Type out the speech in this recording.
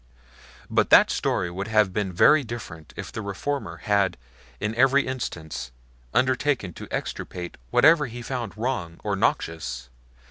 But that story would have been very different if the reformer had in every instance undertaken to extirpate whatever he found wrong or noxious.